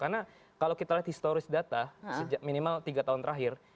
karena kalau kita lihat historis data minimal tiga tahun terakhir